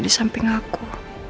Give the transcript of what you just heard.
di samping aku